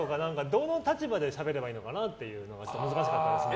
どの立場でしゃべればいいのか難しかったですね。